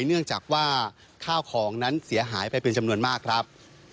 เนื่องจากว่าข้าวของนั้นเสียหายไปเป็นจำนวนมากครับ